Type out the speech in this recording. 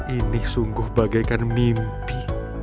ini sungguh bagaikan mimpi